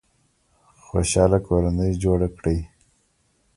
خوشحاله کورنۍ جوړه کړئ